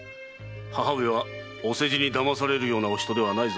母上はお世辞に騙されるようなお人ではないぞ。